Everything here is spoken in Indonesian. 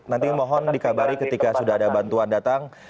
nanti mohon dikabari ketika sudah ada bantuan datang